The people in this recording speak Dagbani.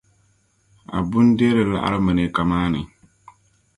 Abu n deeri laɣiri maneeka maa ni.